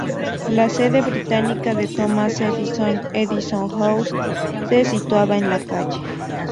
La sede británica de Thomas Edison, Edison House, se situaba en la calle.